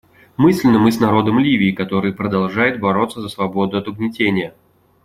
Мысленно мы с народом Ливии, который продолжает бороться за свободу от угнетения.